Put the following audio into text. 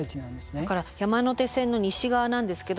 だから山手線の西側なんですけど